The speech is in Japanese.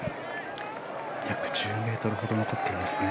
１０ｍほど残っていますね。